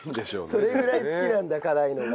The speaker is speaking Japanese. それぐらい好きなんだ辛いのが。